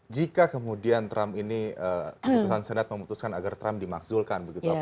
jika kemudian trump ini keputusan senat memutuskan agar trump dimakzulkan begitu